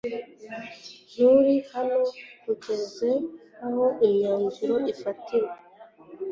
Nturi hano kugeza aho imyanzuro izafatirwa?